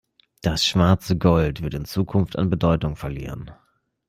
Das schwarze Gold wird in Zukunft an Bedeutung verlieren.